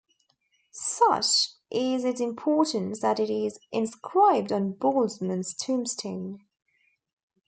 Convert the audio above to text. Such is its importance that it is inscribed on Boltzmann's tombstone.